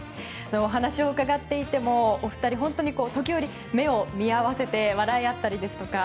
お話を伺っていてもお二人、時折目を見合わせて笑い合ったりですとか